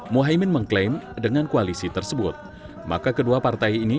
mohaimin mengklaim dengan koalisi tersebut maka kedua partai ini